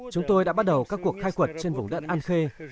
chúng tôi đã bắt đầu các cuộc khai quật trên vùng đất an khê